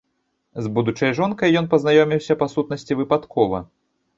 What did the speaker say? З будучай жонкай ён пазнаёміўся па сутнасці выпадкова.